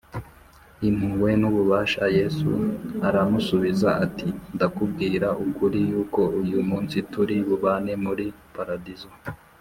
impuhwe n’ububasha yesu aramusubiza ati, “ndakubwira ukuri, yuko uyu munsi turi bubane muri paradiso